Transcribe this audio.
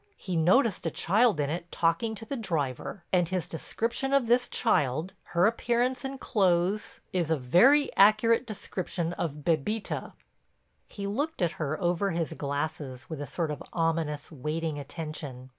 He noticed a child in it talking to the driver and his description of this child, her appearance and clothes, is a very accurate description of Bébita." He looked at her over his glasses, with a sort of ominous, waiting attention.